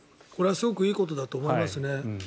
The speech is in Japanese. これはすごくいいことだと思いますね。